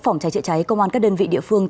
phòng cháy chữa cháy công an các đơn vị địa phương